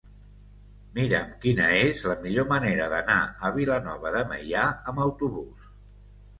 Mira'm quina és la millor manera d'anar a Vilanova de Meià amb autobús.